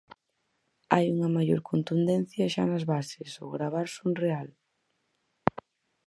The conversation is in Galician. Hai unha maior contundencia xa nas bases, ao gravar son real.